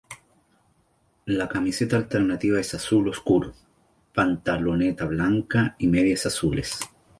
La camiseta alternativa es azul oscuro, pantaloneta blanca y medias azules.